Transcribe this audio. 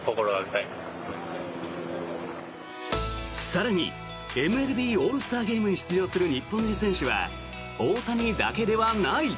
更にＭＬＢオールスターゲームに出場する日本人選手は大谷だけではない。